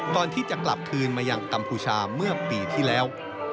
ก่อนที่จะกลับคืนมายังกัมพูชาเมื่อปีที่แล้ว